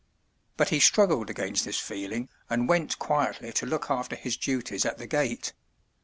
But he struggled against this feel ing, and went quietly to look after his duties at the gate.